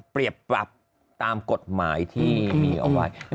เปรียบปรับตามกฎหมายที่มีเอาไว้